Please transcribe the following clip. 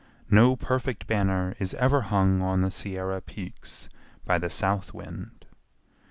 No perfect banner is ever hung on the Sierra peaks by the south wind.